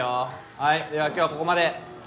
はいでは今日はここまで。